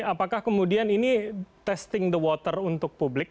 apakah kemudian ini testing the water untuk publik